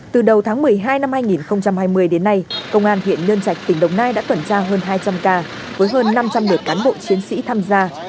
từ đầu tháng một mươi hai năm hai nghìn hai mươi đến nay công an huyện nhân trạch tỉnh đồng nai đã tuần tra hơn hai trăm linh ca với hơn năm trăm linh lượt cán bộ chiến sĩ tham gia